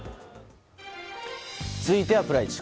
続いてはプライチ。